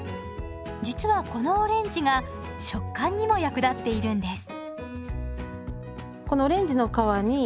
実はこのオレンジが食感にも役立っているんです。